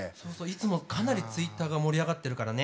いつもかなりツイッターが盛り上がってるからね。